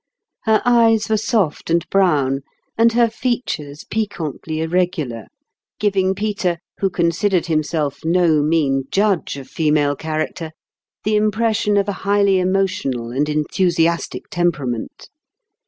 Her eyes were soft and brown, and her feat ures piquantly irregular; giving Peter, who considered himself no mean judge of female character, the impression of a highly emo tional and enthusiastic temperament.